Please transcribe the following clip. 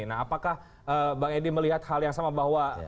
nah apakah bang edi melihat hal yang sama bahwa